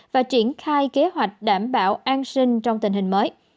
và triển khai kế hoạch đảm bảo an sinh trong tình hình mới